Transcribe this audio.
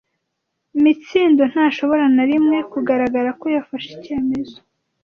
Mitsindo ntashobora na rimwe kugaragara ko yafashe icyemezo.